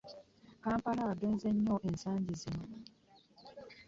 Kampala agezze nnyo ensangi zino.